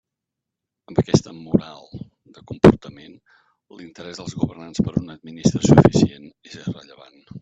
Amb aquesta «moral» de comportament, l'interés dels governants per una administració eficient és irrellevant.